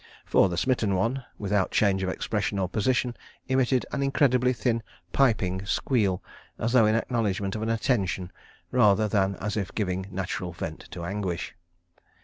For the smitten one, without change of expression or position, emitted an incredibly thin piping squeal, as though in acknowledgment of an attention, rather than as if giving natural vent to anguish.